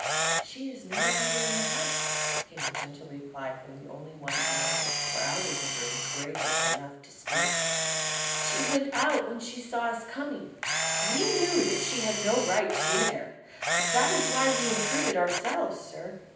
"She is no longer in the house," came in gentle reply from the only one in or out of the room courageous enough to speak. "She went out when she saw us coming. We knew that she had no right to be here. That is why we intruded ourselves, sir.